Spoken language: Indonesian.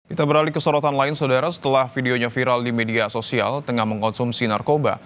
kita beralih ke sorotan lain saudara setelah videonya viral di media sosial tengah mengkonsumsi narkoba